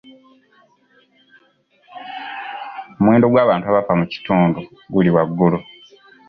Omuwendo gw'abantu abafa mu kitundu guli waggulu.